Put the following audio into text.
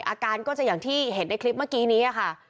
อาการก็จะอย่างที่เห็นในคลิปเมื่อกี้นี้ค่ะ